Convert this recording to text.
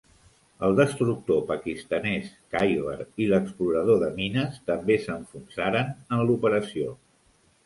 El destructor pakistanès "Khaibar" i l'explorador de mines també s'enfonsaren en l'operació.